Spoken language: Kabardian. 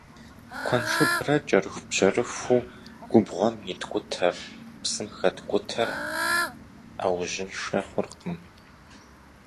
Куэншыбрэ кӏэрыхубжьэрыхуу губгъуэм иткӏутэр, псым хэткӏутэр ӏэужьыншэ хъуркъым.